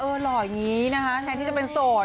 หล่ออย่างนี้นะคะแทนที่จะเป็นโสด